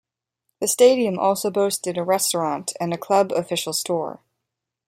The stadium also boasted a restaurant and a club official store.